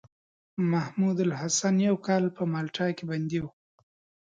محمودالحسن يو کال په مالټا کې بندي وو.